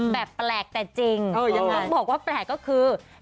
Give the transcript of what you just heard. แบบแปลกแต่จริงบอกว่าแปลกก็คือเออยังไง